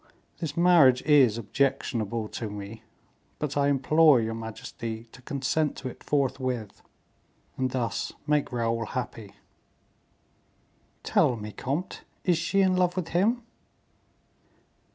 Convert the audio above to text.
This marriage is objectionable to me, but I implore your majesty to consent to it forthwith, and thus make Raoul happy." "Tell me, comte, is she in love with him?"